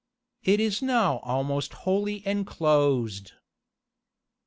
It is now almost wholly enclosed.